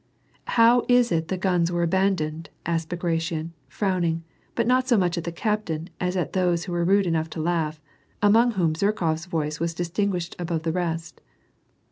" How is it the guns we«e abandoned ?" asked Bagration, frowning, but not so much at the captain as at those who were rude enough to laugh, among whom Zherkof's voice was dis tinguished above the rest.